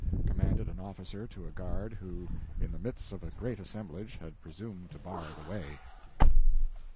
commanded an officer to a guard who, in the midst of a great assemblage, had presumed to bar the way.